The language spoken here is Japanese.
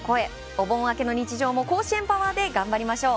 お盆明けの日常も甲子園パワーで頑張りましょう。